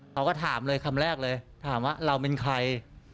เขาก็ถามเลยคำแรกเลยถามว่าเราเป็นใคร